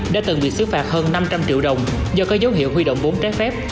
đã từng bị xứ phạt hơn năm trăm linh triệu đồng do có dấu hiệu huy động vốn trái phép